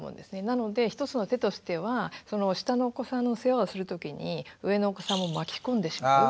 なので一つの手としては下のお子さんの世話をするときに上のお子さんも巻き込んでしまう。